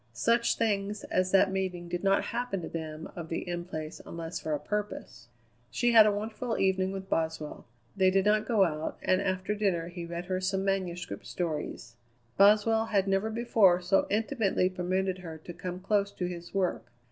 Such things as that meeting did not happen to them of the In Place unless for a purpose. She had a wonderful evening with Boswell. They did not go out, and after dinner he read her some manuscript stories. Boswell had never before so intimately permitted her to come close to his work.